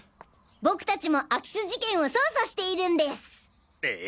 僕達も空き巣事件を捜査しているんです！え！？